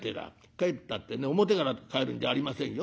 帰ったってね表から帰るんじゃありませんよ。